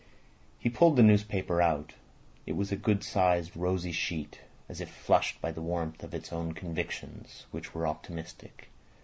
He pulled the newspaper out. It was a good sized rosy sheet, as if flushed by the warmth of its own convictions, which were optimistic.